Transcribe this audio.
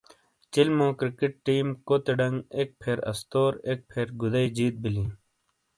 چلمو کرکٹ ٹیم کوتے ڈنگ ایک پھیر استور ایک پھیر گدٸی جیت بیلیٸی ۔